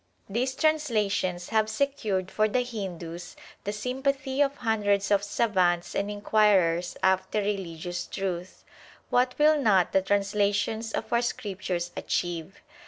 These transla xii THE SIKH RELIGION tions have secured for the Hindus the sympathy of hundreds of savants and inquirers after religious truth. What will not the translations of our Scriptures achieve